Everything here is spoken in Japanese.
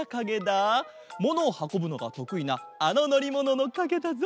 ものをはこぶのがとくいなあののりもののかげだぞ。